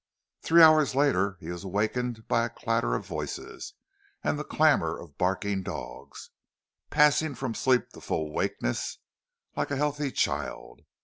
Three hours later he was awakened by a clatter of voices and the clamour of barking dogs, passing from sleep to full wakeness like a healthy child.